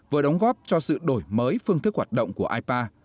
vừa đóng góp cho sự đổi mới phương thức hoạt động của ipa